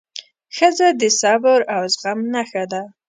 ښځه د صبر او زغم نښه ده.